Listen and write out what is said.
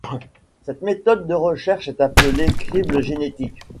Cette méthode de recherche est appelée crible génétique.